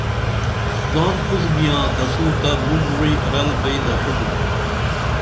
زان پُھس بیاں تسو تہ بُم وعی رل بئیں دڇِنُن